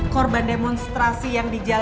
korban demonstrasi yang diganti